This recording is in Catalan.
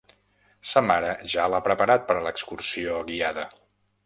Sa mare ja l'ha preparat per a l'excursió guiada.